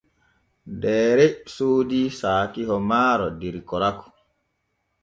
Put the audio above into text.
Deere soodi saakiho maaro der Koraku.